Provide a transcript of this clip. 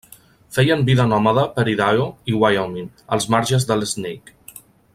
Feien vida nòmada per Idaho i Wyoming, als marges del Snake.